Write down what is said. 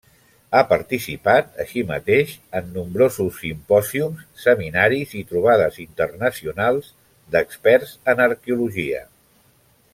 Ha participat, així mateix, en nombrosos simpòsiums, seminaris i trobades internacionals d'experts en arqueologia.